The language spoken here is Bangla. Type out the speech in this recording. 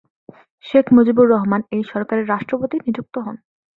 শেখ মুজিবুর রহমান এই সরকারের রাষ্ট্রপতি নিযুক্ত হন।